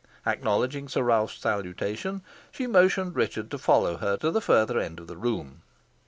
Acknowledging Sir Ralph's salutation, she motioned Richard to follow her to the further end of the room.